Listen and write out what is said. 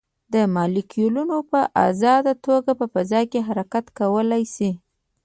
مالیکولونه په ازاده توګه په فضا کې حرکت کولی شي.